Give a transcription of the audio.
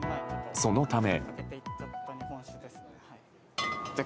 そのため。